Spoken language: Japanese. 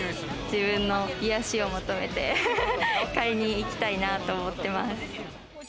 自分の癒しを求めて買いに行きたいなと思ってます。